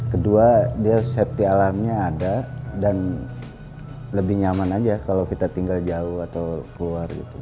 kedua dia safety alamnya ada dan lebih nyaman aja kalau kita tinggal jauh atau keluar gitu